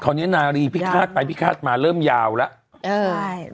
ตอนนี้นารีพิฆาตไปพิฆาตมาเริ่มยาวแล้ว